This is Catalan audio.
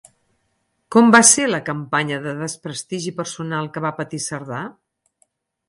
Com va ser campanya de desprestigi personal que va patir Cerdà?